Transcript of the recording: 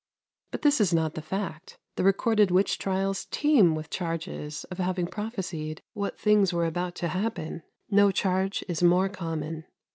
But this is not the fact. The recorded witch trials teem with charges of having prophesied what things were about to happen; no charge is more common.